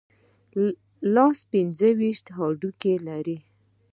لاس پنځه ویشت هډوکي لري.